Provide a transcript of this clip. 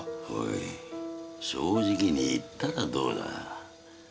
おい正直に言ったらどうだ？